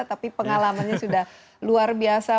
tapi pengalamannya sudah luar biasa